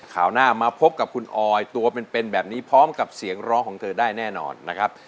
ข่าวหน้ามาพบกับคุณออยตัวเป็นแบบนี้พร้อมกับเสียงร้องของเธอได้แน่นอนนะครับ